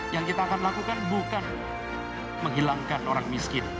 yang kita akan lakukan bukan menghilangkan orang miskin